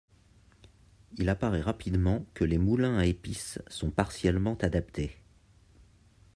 Il apparaît rapidement que les moulins à épices sont partiellement adaptés.